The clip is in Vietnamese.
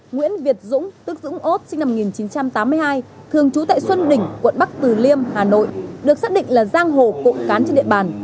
nguyễn việt dũng tức dũng ốt sinh năm một nghìn chín trăm tám mươi hai thường trú tại xuân đỉnh quận bắc từ liêm hà nội được xác định là giang hồ cộng cán trên địa bàn